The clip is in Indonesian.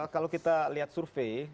kalau kita lihat survei